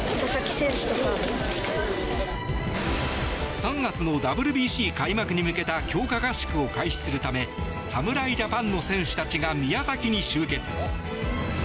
３月のＷＢＣ開幕に向けた強化合宿を開始するため侍ジャパンの選手たちが宮崎に集結。